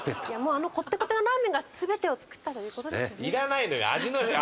あのコッテコテのラーメンが全てを作ったという事ですよね。